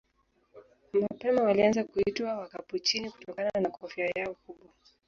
Mapema walianza kuitwa Wakapuchini kutokana na kofia yao kubwa.